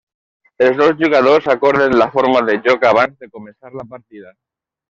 Els dos jugadors acorden la forma de joc abans de començar la partida.